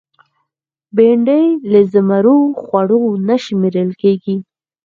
بېنډۍ له زمرو خوړو نه شمېرل کېږي